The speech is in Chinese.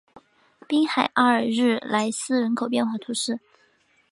滨海阿尔日莱斯人口变化图示